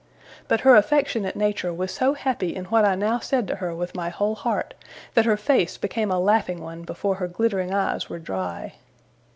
But her affectionate nature was so happy in what I now said to her with my whole heart, that her face became a laughing one before her glittering eyes were dry.